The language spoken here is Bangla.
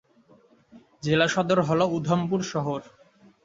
জেলা সদর হল উধমপুর শহর।